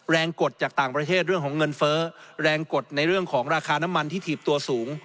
กดจากต่างประเทศเรื่องของเงินเฟ้อแรงกดในเรื่องของราคาน้ำมันที่ถีบตัวสูง